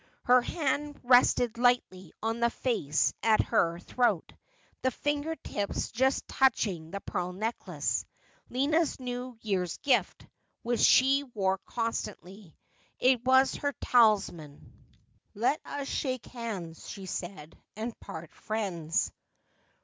Her hand rested lightly on the lace at her throat, the finger tips just touching the pearl necklace, Lina's new year's gift, which she wore constantly. It was her talis man. ' Let us shake hands,' she said, ' and part friends.'